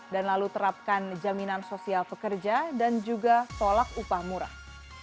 dan lalu terapkan jaminan sosial pekerja dan juga tolak upah murah